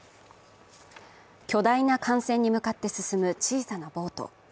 巨大な艦船に向かって進む小さなボート。